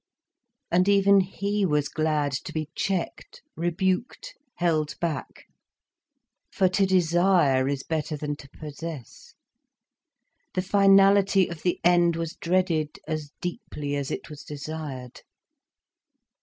And even he was glad to be checked, rebuked, held back. For to desire is better than to possess, the finality of the end was dreaded as deeply as it was desired.